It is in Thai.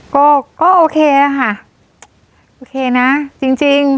ก็โอเคแล้วค่ะโอเคนะจริง